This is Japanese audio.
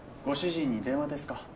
ご主人に電話ですか？